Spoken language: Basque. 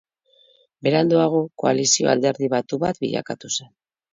Beranduago koalizioa alderdi batu bat bilakatu zen.